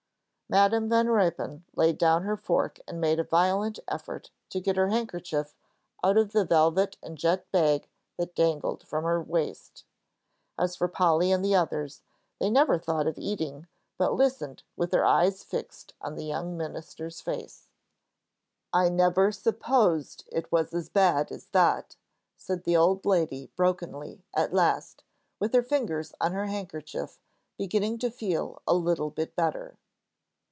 Madam Van Ruypen laid down her fork and made a violent effort to get her handkerchief out of the velvet and jet bag that dangled from her waist. As for Polly and the others, they never thought of eating, but listened, with their eyes fastened on the young minister's face. "I never supposed it was as bad as that," said the old lady, brokenly; at last, with her fingers on her handkerchief, beginning to feel a little bit better.